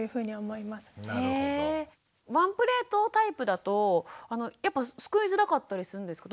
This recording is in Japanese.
ワンプレートタイプだとやっぱすくいづらかったりするんですか。